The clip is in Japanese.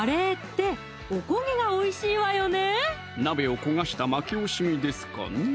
鍋を焦がした負け惜しみですかね